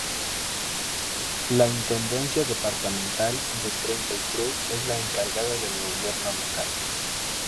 La Intendencia Departamental de Treinta y Tres es la encargada del Gobierno Local.